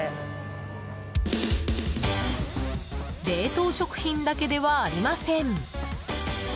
冷凍食品だけではありません。